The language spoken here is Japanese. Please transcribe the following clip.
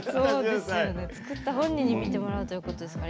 作った本人に見てもらうということですから。